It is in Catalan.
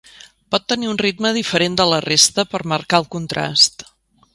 Pot tenir un ritme diferent de la resta per marcar el contrast.